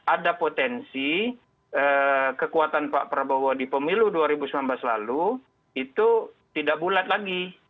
ada potensi kekuatan pak prabowo di pemilu dua ribu sembilan belas lalu itu tidak bulat lagi